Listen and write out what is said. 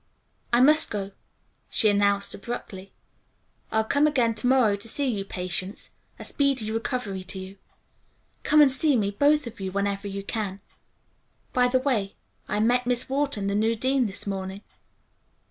"I must go," she announced abruptly. "I'll come again to morrow to see you, Patience. A speedy recovery to you. Come and see me, both of you, whenever you can. By the way, I met Miss Wharton, the new dean, this morning."